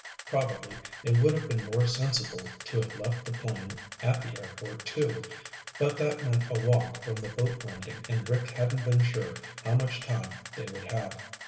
Probably it would have been more sensible to have left the plane at the airport, too, but that meant a walk from the boat landing and Rick hadn't been sure how much time they would have.